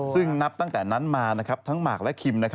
ซึ่งนับตั้งแต่นั้นมาทั้งหมากและคิม